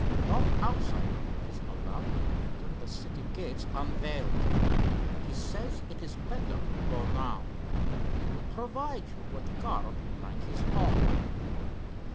No outsider is allowed to enter the city gates unveiled. He says it is better to go now. He will provide you with a garb like his own.